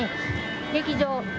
劇場。